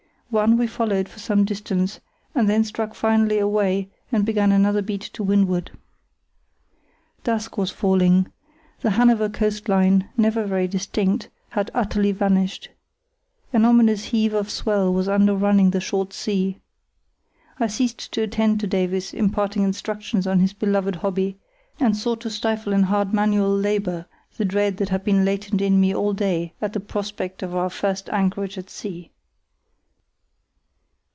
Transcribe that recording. One we followed for some distance, and then struck finally away and began another beat to windward. Dusk was falling. The Hanover coast line, never very distinct, had utterly vanished; an ominous heave of swell was under running the short sea. I ceased to attend to Davies imparting instruction on his beloved hobby, and sought to stifle in hard manual labour the dread that had been latent in me all day at the prospect of our first anchorage at sea.